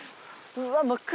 うわっ！